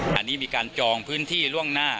อันนี้มีการจองพื้นที่ล่วงหน้า